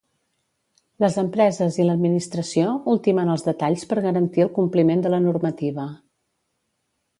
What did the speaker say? Les empreses i l'administració ultimen els detalls per garantir el compliment de la normativa.